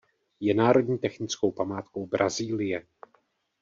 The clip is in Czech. Je národní technickou památkou Brazílie.